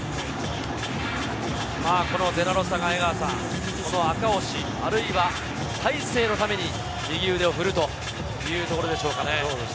デラロサが赤星、あるいは大勢のために右腕を振るというところでしょうかね。